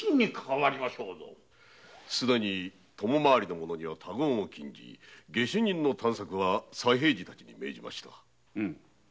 すでに供回りの者には他言を禁じ下手人の探索は左平次たちに命じました。